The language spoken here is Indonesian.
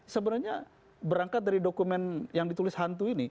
sebenarnya berangkat dari dokumen yang ditulis hantu ini